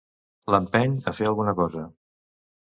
L'empeny a fer alguna cosa.